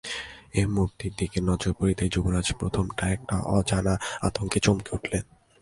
এই মূর্তির দিকে নজর পড়তেই যুবরাজ প্রথমটা একটা অজানা আতঙ্কে চমকে উঠলেন।